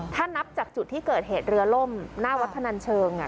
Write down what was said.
ถ้านับจากจุดที่เกิดเหตุเรือล่มหน้าวัดพนันเชิง